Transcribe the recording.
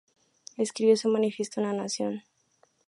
Escribió su Manifiesto a la Nación.